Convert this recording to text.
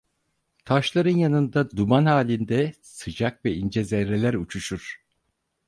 Taşların yanında, duman halinde, sıcak ve ince zerreler uçuşur.